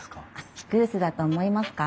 ピクルスだと思いますか？